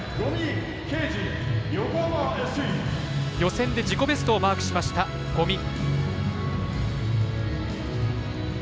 予選で自己ベストをマークしました、五味。